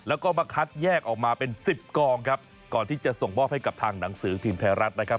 แล้วก็มาคัดแยกออกมาเป็นสิบกองครับก่อนที่จะส่งมอบให้กับทางหนังสือพิมพ์ไทยรัฐนะครับ